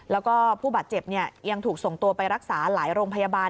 แล้วก็ผู้บาดเจ็บยังถูกส่งตัวไปรักษาหลายโรงพยาบาล